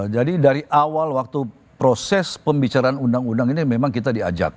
jadi dari awal waktu proses pembicaraan undang undang ini memang kita diajak